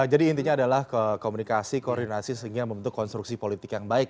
jadi intinya adalah komunikasi koordinasi sehingga membentuk konstruksi politik yang baik